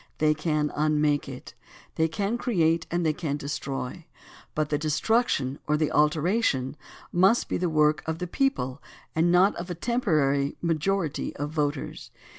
They can unmake it. They can create and they can destroy, but the destruction or the alteration must be the work of the people and not of a temporary majority of voters.